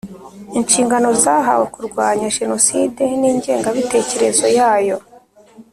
inshingano zahawe kurwanya jenoside n ingengabitekerezo yayo